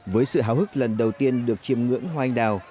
với sự hào hức lần đầu tiên được chiêm ngưỡng hoa anh đào